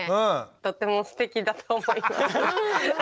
とってもすてきだと思います。